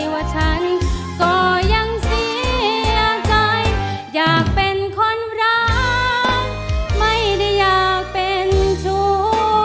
ว่าฉันก็ยังเสียใจอยากเป็นคนรักไม่ได้อยากเป็นชู้